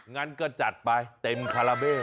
งั้นก็จัดไปเต็มคาราเบ้